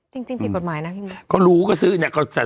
จริงผิดบทหมายนะ